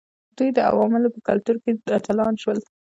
دوی د عوامو په کلتور کې اتلان شول.